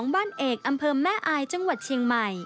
บ้านเอกอำเภอแม่อายจังหวัดเชียงใหม่